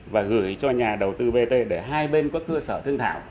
và gửi cho nhà đầu tư bt để hai bên có cơ sở thương thảo